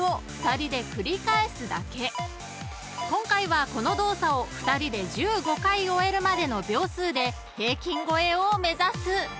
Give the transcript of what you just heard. ［今回はこの動作を２人で１５回終えるまでの秒数で平均超えを目指す］